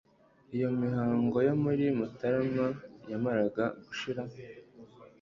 iyo mihango yo muri mutarama yamaraga gushira